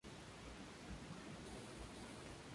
El propio King hace apariciones como personaje de la serie.